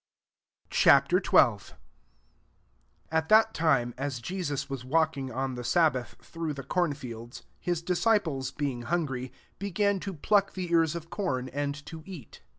Ch. XXL 1 At that time, as Jesus was walking on the sab bath through the corn fields, his disciples being hungry, be gan to pluck the ears of com and to eat.